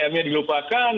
tiga m nya dilupakan